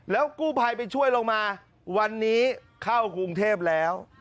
แล้วกู้ภัยไปช่วยลงมาวันนี้เข้ากรุงเทพแล้ว